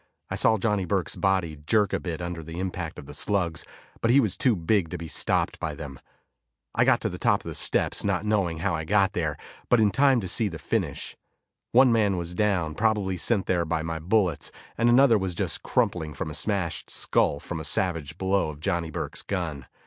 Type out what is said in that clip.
I saw Johnny Burke's body jerk a bit under the impact of the slugs, but he was too big to be stopped by them. I got to the top of the steps, not knowing how I got there, but in time to see the finish. One man was down, probably sent there by my bullets, and another was just crumpling from a smashed skull from a savage blow of Johnny Burke's gun.